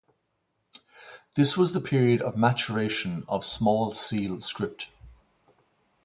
This was the period of maturation of Small Seal script.